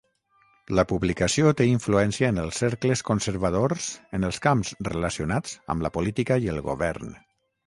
La publicació té influència en els cercles conservadors en els camps relacionats amb la política i el govern.